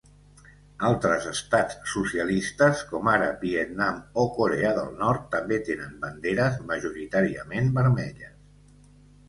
Altres estats socialistes, com ara Vietnam, o Corea del Nord també tenen banderes majoritàriament vermelles.